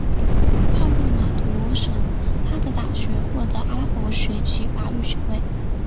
后入读马什哈德大学获阿拉伯语及法语学位。